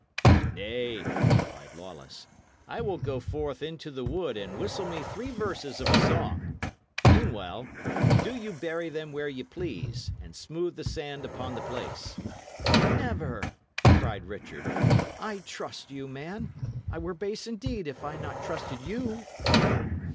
"Nay," replied Lawless, "I will go forth into the wood and whistle me three verses of a song; meanwhile, do you bury them where ye please, and smooth the sand upon the place." "Never!" cried Richard. "I trust you, man. I were base indeed if I not trusted you."